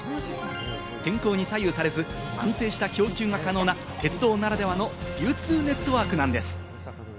天候に左右されず、安定した供給が可能な鉄道ならではの流通ネットワークなんです。